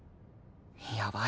やばい。